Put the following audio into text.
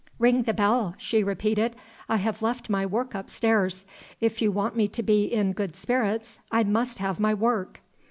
"Ring the bell!" she repeated. "I have left my work upstairs. If you want me to be in good spirits, I must have my work."